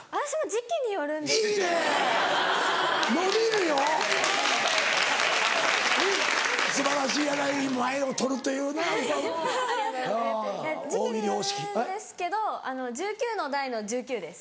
時期によるんですけど１９の代の１９です。